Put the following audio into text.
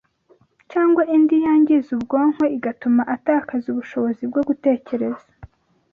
cyangwa indi yangiza ubwonko igatuma atakaza ubushobozi bwo gutekereza